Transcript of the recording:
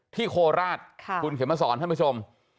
ที่โคลาศคุณเข็มมาสอนท่านผู้ชม